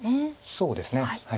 そうですね。